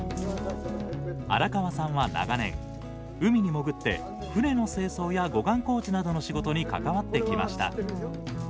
荒川さんは長年、海に潜って船の清掃や護岸工事などの仕事に関わってきました。